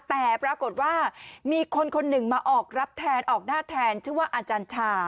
แต่ปรากฏว่ามีคนคนหนึ่งมาออกรับแทนออกหน้าแทนชื่อว่าอาจารย์ชา